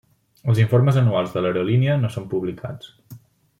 Els informes anuals de l'aerolínia no són publicats.